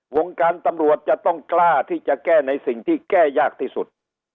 วงการตำรวจจะต้องกล้าที่จะแก้ในสิ่งที่แก้ยากที่สุด